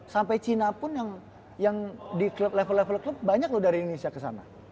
sampai cina pun yang di level level klub banyak loh dari indonesia kesana